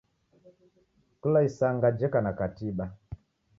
Kula isanga jeka na katiba.